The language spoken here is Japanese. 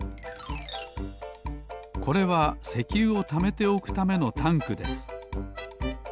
これは石油をためておくためのタンクです。